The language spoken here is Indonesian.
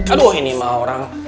aduh ini mah orang